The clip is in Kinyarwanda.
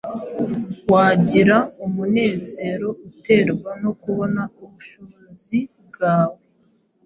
Wagira umunezero uterwa no kubona ubushobozi bwawe